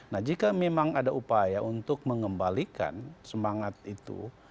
nah jika memang ada upaya untuk mengembalikan semangat itu